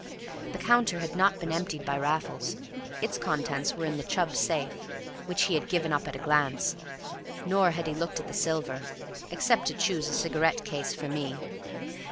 The counter had not been emptied by Raffles; its contents were in the Chubb's safe, which he had given up at a glance; nor had he looked at the silver, except to choose a cigarette case for me.